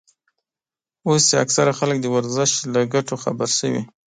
اوس چې اکثره خلک د ورزش له ګټو خبر شوي.